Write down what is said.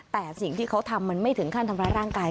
แต่สิ่งที่เขาทำมันไม่ถึงขั้นทำร้ายร่างกาย